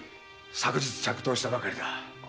昨日着到したばかりだ。